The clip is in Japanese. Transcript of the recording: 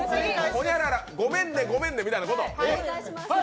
ごめんね、ごめんね、みたいなこと。